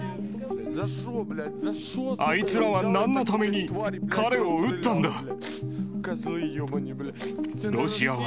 あいつらはなんのために彼を撃ったんだ！